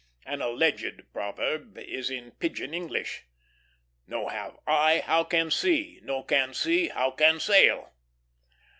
An alleged proverb is in pigeon English: "No have eye, how can see? no can see, how can sail?"